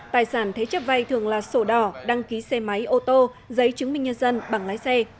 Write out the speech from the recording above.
tài sản thế chấp vay thường là sổ đỏ đăng ký xe máy ô tô giấy chứng minh nhân dân bằng lái xe